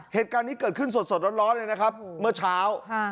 เหตุการณ์นี้เกิดขึ้นสดร้อนเลยนะครับเมื่อเช้า